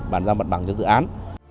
bản ra mặt bằng cho dự án